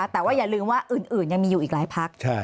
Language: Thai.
แต่ว่าอย่าลืมว่าอื่นยังมีอยู่อีกหลายพัก